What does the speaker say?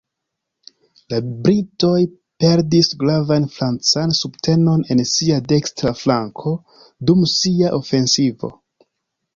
La britoj perdis gravan francan subtenon en sia dekstra flanko dum sia ofensivo.